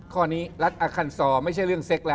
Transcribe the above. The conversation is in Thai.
ข้อนี้รัฐอคันศาสตร์ไม่ใช่เรื่องเซ็กละ